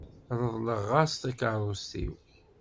Reḍleɣ-as takeṛṛust-iw.